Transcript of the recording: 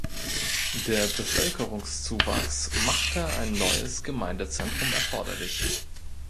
Der Bevölkerungszuwachs machte ein neues Gemeindezentrum erforderlich.